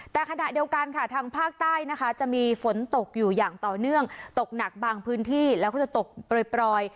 แต่ขณะเดียวกันค่ะทางภาคใต้นะคะจะมีฝนตกอยู่อย่างต่อเนื่องตกหนักบางพื้นที่แล้วก็จะตกปล่อย